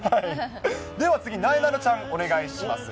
では次、なえなのちゃん、お願いします。